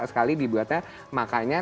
sekali dibuatnya makanya